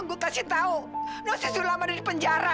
gue kasih tau lo si sulam ada di penjara